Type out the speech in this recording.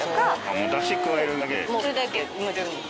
もうだし加えるだけで。